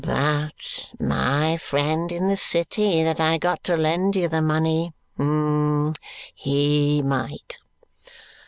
But my friend in the city that I got to lend you the money HE might!"